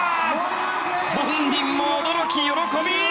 本人も驚き、喜び。